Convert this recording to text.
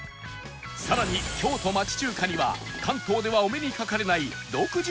さらに京都町中華には関東ではお目にかかれない独自のメニューも